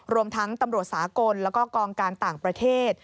รวมทั้งตำรวจสากลแล้วก็กองการต่างประเทศ